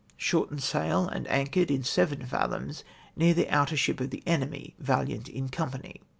Shortened sail and anchored in 7 fathoms, near the outer ship of the enemy, Valiant in company."